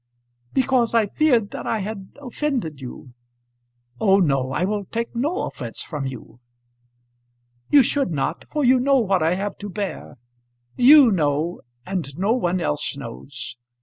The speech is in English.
"Because I feared that I had offended you." "Oh, no; I will take no offence from you." "You should not, for you know what I have to bear. You know, and no one else knows.